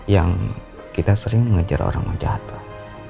yang kita sering mengejar orang jahat pak